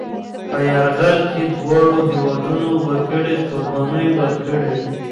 په یرغل کې دواړو هېوادنو وګړي قربانۍ ورکړې.